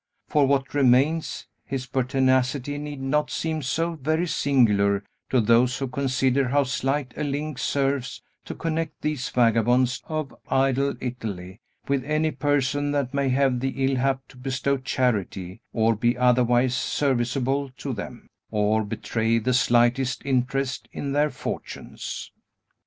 For what remains, his pertinacity need not seem so very singular to those who consider how slight a link serves to connect these vagabonds of idle Italy with any person that may have the ill hap to bestow charity, or be otherwise serviceable to them, or betray the slightest interest in their fortunes.